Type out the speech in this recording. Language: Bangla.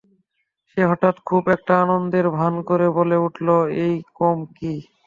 সে হঠাৎ খুব একটা আনন্দের ভান করে বলে উঠল, এই কম কী!